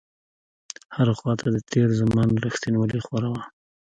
هره خواته د تېر زمان رښتينولۍ خوره وه.